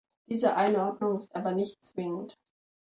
Diese Einordnung ist aber nicht zwingend.